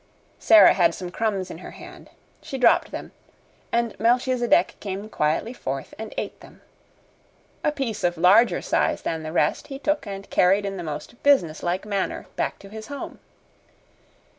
Sara had some crumbs in her hand. She dropped them, and Melchisedec came quietly forth and ate them. A piece of larger size than the rest he took and carried in the most businesslike manner back to his home.